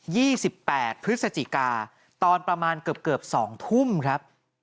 ี่สิบแปดพฤศจิกาตอนประมาณเกือบเกือบสองทุ่มครับ